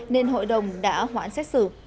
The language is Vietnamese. nên hội đồng đã hoãn xét xử